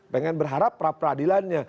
pengen berharap pra peradilannya